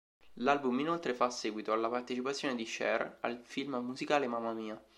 L'album inoltre fa seguito alla partecipazione di Cher al film musicale "Mamma Mia!